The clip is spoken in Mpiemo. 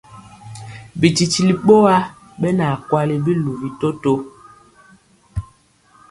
Bititili ɓowa ɓɛ na kwali biluvi toto.